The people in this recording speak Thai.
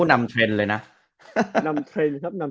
นำเทรนด์เลยนะ